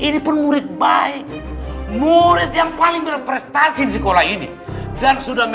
lu mau perbalain gue